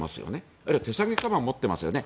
あるいは手提げかばんを持っていますよね。